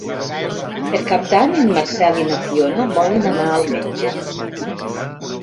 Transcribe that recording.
Per Cap d'Any en Marcel i na Fiona volen anar al metge.